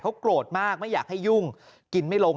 เขาโกรธมากไม่อยากให้ยุ่งกินไม่ลง